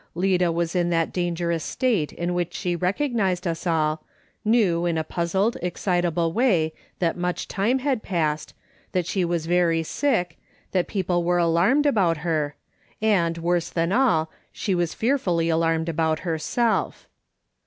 Lid a was in that dangerous state in which she recognised us all, knew, in a puzzled, excitable way, that much time had passed, that she was very sick, that people were alarmed about her — and, worse than all, she was fearfully alarmed about herself.